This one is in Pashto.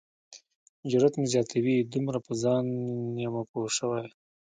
جرات مې زیاتوي دومره په ځان یمه پوه شوی.